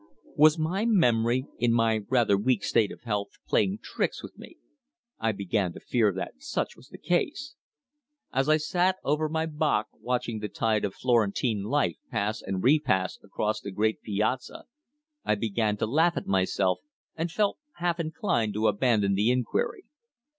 Was my memory, in my rather weak state of health, playing tricks with me? I began to fear that such was the case. As I sat over my "bock" watching the tide of Florentine life pass and repass across the great piazza, I began to laugh at myself, and felt half inclined to abandon the inquiry.